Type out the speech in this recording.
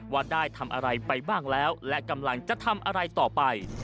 ว่าได้ทำอะไรไปบ้างแล้วและกำลังจะทำอะไรต่อไป